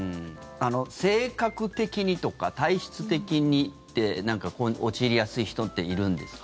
性格的にとか体質的にって陥りやすい人っているんですか？